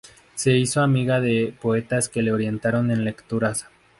Se hizo amiga de poetas que le orientaron en lecturas.